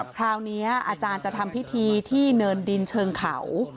คราวนี้อาจารย์จะทำพิธีที่เนินดินเชิงเขา